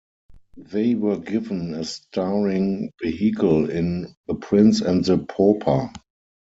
They were given a starring vehicle in "The Prince and the Pauper".